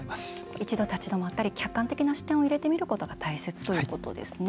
一度、立ち止まったり客観的な視点を入れてみることが大切ということですね。